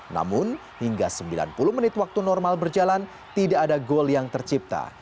namun hingga sembilan puluh menit waktu normal berjalan tidak ada gol yang tercipta